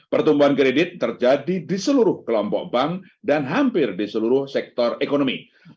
pertumbuhan kredit terjadi di seluruh kelompok bank dan hampir di seluruh sektor ekonomi